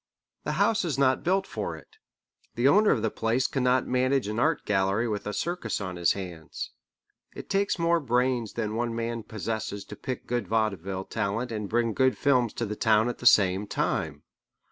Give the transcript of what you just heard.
The house is not built for it. The owner of the place cannot manage an art gallery with a circus on his hands. It takes more brains than one man possesses to pick good vaudeville talent and bring good films to the town at the same time.